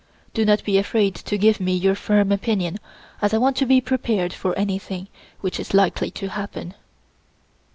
Do not be afraid to give your firm opinion, as I want to be prepared for anything which is likely to happen."